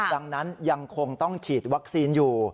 ดังนั้นยังคงต้องฉีดวัคซีนอยู่